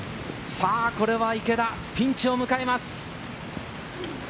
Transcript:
さぁこれは池田、ピンチを迎えます。